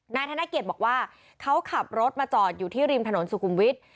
ธนเกียจบอกว่าเขาขับรถมาจอดอยู่ที่ริมถนนสุขุมวิทย์